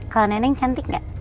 kalau nenek cantik gak